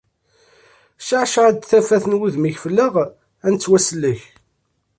Cceɛceɛ-d tafat n wudem-ik fell-aɣ, ad nettwasellek!